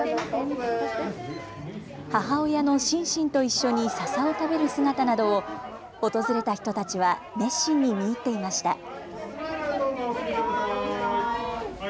母親のシンシンと一緒にささを食べる姿などを訪れた人たちは熱心に見入っていました。